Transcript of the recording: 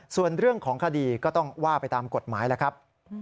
ส่วนเรื่องของคดีก็ต้องว่าไปตามกฎหมายแล้วครับ